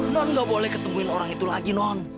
non gak boleh ketemuin orang itu lagi non